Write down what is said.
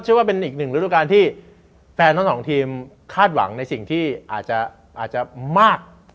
คิดว่าเป็นอีกนึงเรื่องที่แผนทั้ง๒ทีมคาดหวังในสิ่งที่อาจจะมาก